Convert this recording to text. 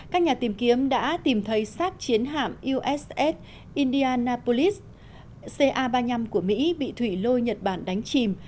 các nhà tìm kiếm đã tìm thấy sát chiến hạm uss india napolis ca ba mươi năm của mỹ bị thủy lôi nhật bản đánh chìm